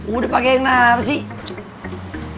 udah pake yang narsih